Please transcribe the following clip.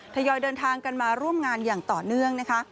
ทยอยเดินทางกันมาร่วมงานอย่างต่อเนื่องนะคะ